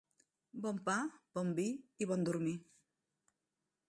Bon pa, bon vi i bon dormir.